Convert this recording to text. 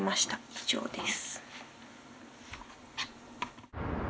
以上です。